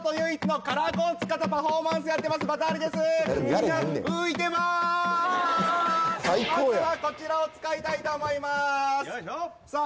まずはこちらを使いたいと思いますさあ